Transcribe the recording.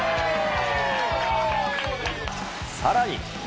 さらに。